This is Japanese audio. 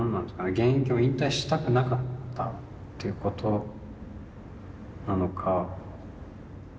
現役を引退したくなかったってことなのかうん。